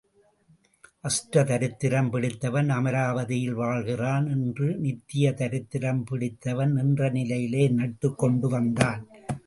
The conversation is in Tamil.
அஷ்டதரித்திரம் பிடித்தவன் அமராவதியில் வாழ்கிறான் என்று நித்திய தரித்திரம் பிடித்தவன் நின்ற நிலையிலே நட்டுக் கொண்டு வந்தான்.